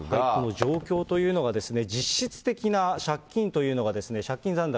状況というのがですね、実質的な借金というのが、借金残高